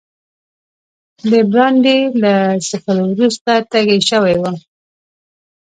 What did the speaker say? د برانډي له څښلو وروسته تږی شوی وم.